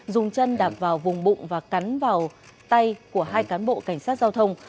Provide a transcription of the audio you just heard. dùng chân đạp vào vùng bụng và cắn vào tay của hai cán bộ cảnh sát giao thông